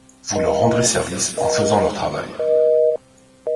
Vous leur rendrez service en faisant leur travail.